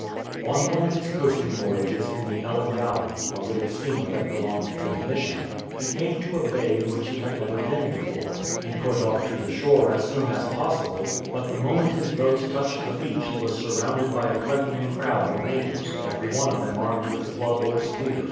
On one of his coasting voyages in the EUengozvan, a little steamer that belonged to the Mission, he came to a bay in which he had never been before. He put off for the shore as soon as possible, but the moment his boat touched the beach he was surrounded by a threatening crowd of natives, every one of them armed with club or spear.